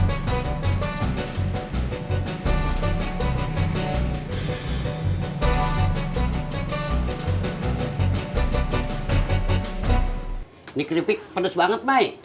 ini keripik pedes banget mai